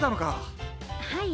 はい。